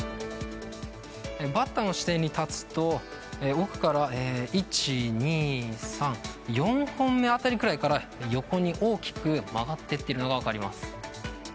バッターの視点に立つと奥から１、２、３４本目あたりくらいから横に大きく曲がっていってるのが分かります。